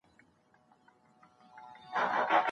خاطرې مو د ژوند ښکلې شېبې دي.